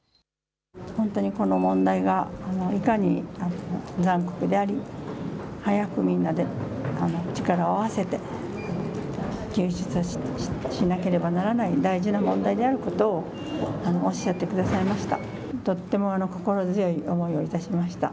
この問題がいかに残酷であり早くみんなで力を合わせて救出しなければならない大事な問題だとおっしゃってくださいました。